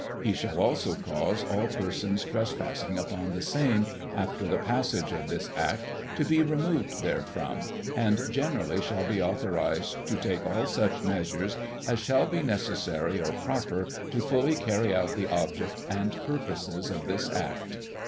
He shall also cause all persons trespassing upon the same after the passage of this act to be removed therefrom, and generally shall be authorized to take all such measures as shall be necessary or proper to fully carry out the objects and purposes of this act."